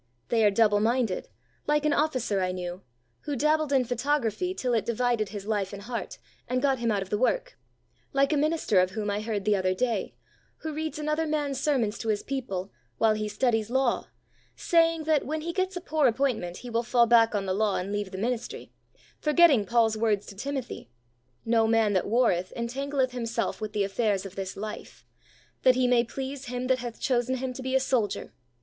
They are doubleminded, like an officer I knew, who dabbled in photography till it divided his life and hearty and got him out of the work; like a minister of whom I heard the other day, who reads another man's sermons to his people, while he studies law, saying that when he gets a poor appointment he will fall back on the law and leave the ministry, forgetting Paul's words to Timothy: "No man that warreth entangleth himself with the affairs of this life; that he may please Him that hath chosen him to be a soldier."